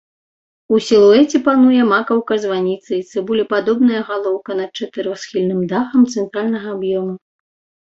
У сілуэце пануе макаўка званіцы і цыбулепадобная галоўка над чатырохсхільным дахам цэнтральнага аб'ёму.